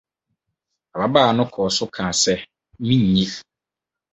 ababaa no kɔɔ so kaa sɛ minnye